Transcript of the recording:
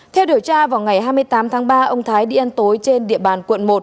theo điều tra vào ngày hai mươi tám tháng ba ông thái đi ăn tối trên địa bàn quận một